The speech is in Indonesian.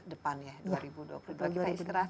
depan ya dua ribu dua puluh dua kita istirahat